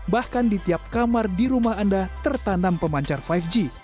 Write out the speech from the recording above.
bahkan di tiap kamar di rumah anda tertanam pemancar lima g